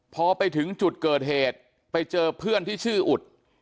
พอไปถึงจุดเกิดเหตุไปเจอเพื่อนที่ชื่ออุด